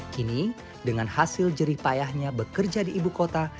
kini dengan hasil jerih payahnya bekerja di ibu kota